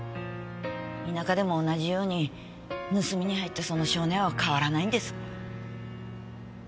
田舎でも同じように盗みに入ったその性根は変わらないんです。